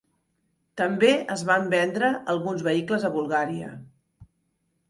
També es van vendre alguns vehicles a Bulgària.